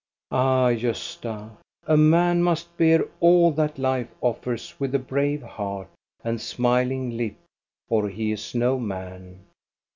Ah Gosta, a man must bear all that life offers with a brave heart and smiling lip, or he is no man.